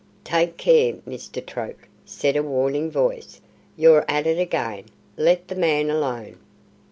"Take care, Mr. Troke," said a warning voice, "you're at it again! Let the man alone!"